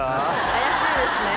怪しいですね